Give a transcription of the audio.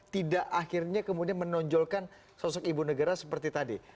tidak akhirnya kemudian menonjolkan sosok ibu negara seperti tadi